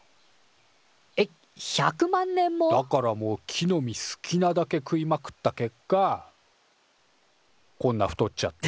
だからもう木の実好きなだけ食いまくった結果こんな太っちゃって。